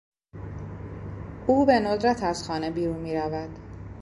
او به ندرت از خانه بیرون میرود.